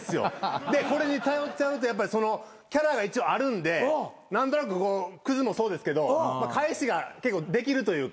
でこれに頼っちゃうとキャラが一応あるんで何となくクズもそうですけど返しができるというか。